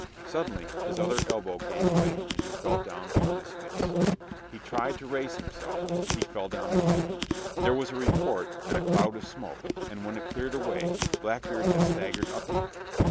Suddenly his other elbow gave way and he fell down upon his face. He tried to raise himself he fell down again. There was a report and a cloud of smoke, and when it cleared away Blackbeard had staggered up again.